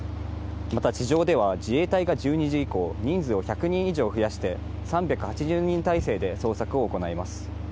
また地上では自衛隊が１２時以降、人数を１００人以上増やして３８０人態勢で捜索を行います。